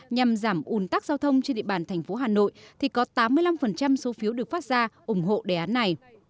nhằm giảm ủn tắc giao thông trên địa bàn thành phố hà nội thì có tám mươi năm số phiếu được phát ra ủng hộ đề án này